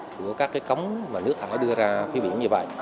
của các cái cống mà nước thải đưa ra phía biển như vậy